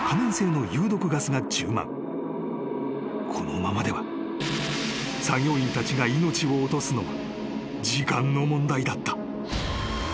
［このままでは作業員たちが命を落とすのは時間の問題だった］